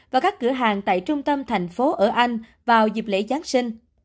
và các cửa hàng tại trung tâm thành phố ở anh vào dịp lễ giáng sinh